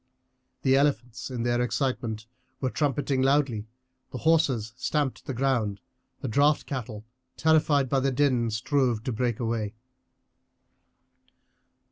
The elephants in their excitement were trumpeting loudly; the horses stamped the ground; the draught cattle, terrified by the din, strove to break away.